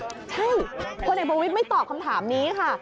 ใช่พลเอกประวิทย์ไม่ตอบคำถามนี้ค่ะ